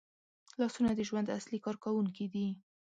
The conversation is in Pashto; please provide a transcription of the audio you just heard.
لاسونه د ژوند اصلي کارکوونکي دي